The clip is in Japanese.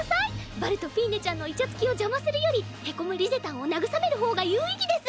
バルとフィーネちゃんのイチャつきを邪魔するよりへこむリゼたんを慰める方が有意義です。